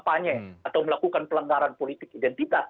kampanye atau melakukan pelanggaran politik identitas